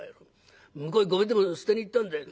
向こうへゴミでも捨てに行ったんだよ